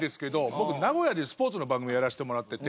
僕名古屋でスポーツの番組をやらせてもらってて。